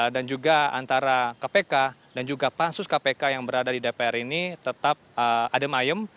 dan juga antara kpk dan juga pansus kpk yang berada di dpr ini tetap adem ayem